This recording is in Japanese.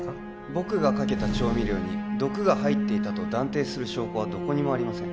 僕がかけた調味料に毒が入っていたと断定する証拠はどこにもありません